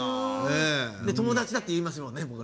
友達だって言えますね。